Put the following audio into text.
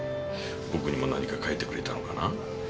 僕にも何か書いてくれたのかな？